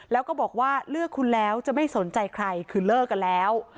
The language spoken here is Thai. แล้วก็บอกว่าเลือกคุณแล้วจะไม่สนใจใครคือเลิกกันแล้ว